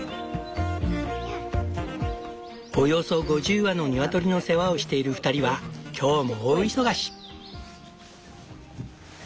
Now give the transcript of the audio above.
およそ５０羽のニワトリの世話をしている２人は今日も大忙し！